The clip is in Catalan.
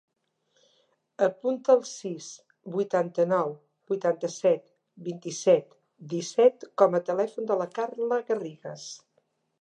Apunta el sis, vuitanta-nou, vuitanta-set, vint-i-set, disset com a telèfon de la Carla Garrigues.